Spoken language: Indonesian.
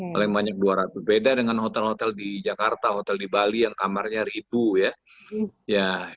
paling banyak dua ratus beda dengan hotel hotel di jakarta hotel di bali yang kamarnya ribu ya